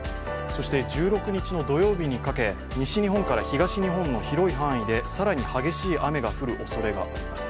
そして１６日の土曜日にかけ西日本から東日本の広い範囲で更に激しい雨が降るおそれがあります。